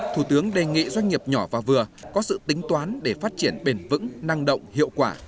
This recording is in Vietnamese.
thủ tướng đề nghị doanh nghiệp nhỏ và vừa có sự tính toán để phát triển bền vững năng động hiệu quả